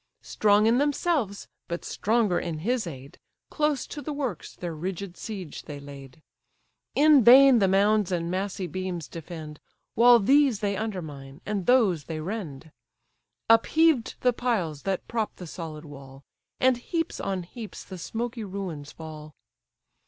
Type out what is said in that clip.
Strong in themselves, but stronger in his aid, Close to the works their rigid siege they laid. In vain the mounds and massy beams defend, While these they undermine, and those they rend; Upheaved the piles that prop the solid wall; And heaps on heaps the smoky ruins fall.